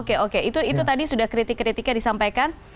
oke oke itu tadi sudah kritik kritiknya disampaikan